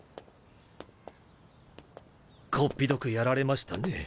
こっぴどくやられましたね。